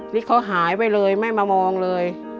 นี่เขาหายไปเลยไม่มามองเลย